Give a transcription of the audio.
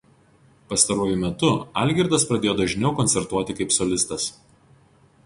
Pastaruoju metu Algirdas pradėjo dažniau koncertuoti kaip solistas.